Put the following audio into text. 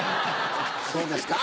そうですか？